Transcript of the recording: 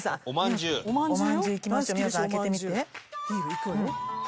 いくわよ。